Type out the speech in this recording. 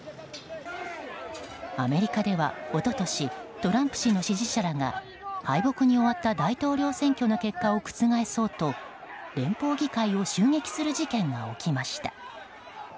アメリカでは一昨年、トランプ氏の支持者らが敗北に終わった大統領選挙の結果を覆そうと連邦議会を襲撃する事件が起きました。